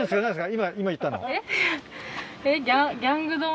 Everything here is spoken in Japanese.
今言ったの。